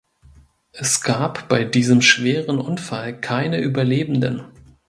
Es gab bei diesem schweren Unfall keine Überlebenden.